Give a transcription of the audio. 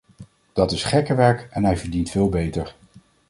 Dat is gekkenwerk en hij verdient veel beter.